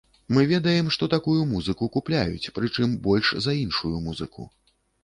Мы ведаем, што такую музыку купляюць, прычым больш за іншую музыку.